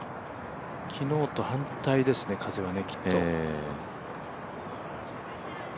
昨日と反対ですね、風はきっと。